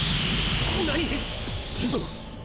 何！？